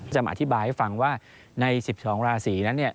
มาอธิบายให้ฟังว่าใน๑๒ราศีนั้น